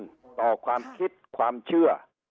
ต่อความคิดความเชื่อ